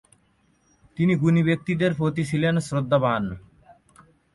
তিনি গুণী ব্যক্তিদের প্রতি ছিলেন শ্রদ্ধাবান।